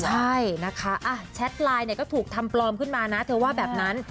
ใช่นะคะแชทไลน์เนี่ยก็ถูกทำปลอมขึ้นมานะเธอว่าแบบนั้น